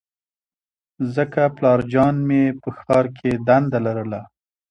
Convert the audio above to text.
ځکه پلارجان مې په ښار کې دنده لرله